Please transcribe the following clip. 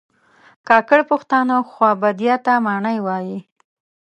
کاکړ پښتانه خوابدیا ته ماڼی وایي